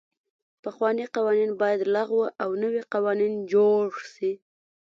پخواني قوانین باید لغوه او نوي قوانین جوړ سي.